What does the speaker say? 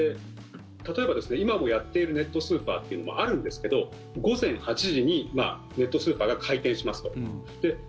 例えば今もやっているネットスーパーというのもあるんですけど、午前８時にネットスーパーが開店しますと。